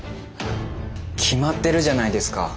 決まってるじゃないですか。